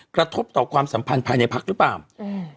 กระทบต่อความสัมพันธ์ภายในพักรวมรัฐบาลหรือเปล่า